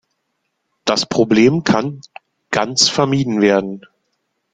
Das Problem kann ganz vermieden werden.